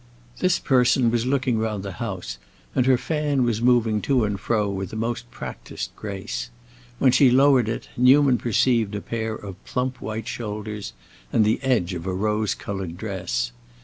This person was looking round the house, and her fan was moving to and fro with the most practiced grace; when she lowered it, Newman perceived a pair of plump white shoulders and the edge of a rose colored dress.